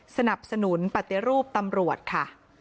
สนับสนุนปฏิรูปตำรวจค่ะ